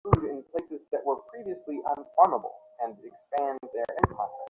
রাতে তুমি ঠিক থাকবে তো?